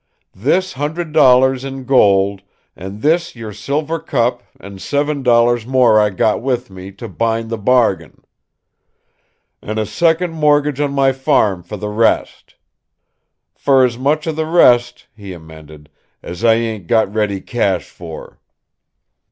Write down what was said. This hundred dollars in gold an' this yer silver cup an' seven dollars more I got with me to bind the bargain. An' a second mortgage on my farm fer the rest. Fer as much of the rest," he amended, "as I ain't got ready cash for."